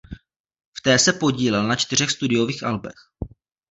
V té se podílel na čtyřech studiových albech.